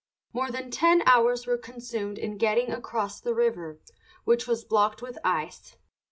More than ten hours were consumed in getting across the river, which was blocked with ice.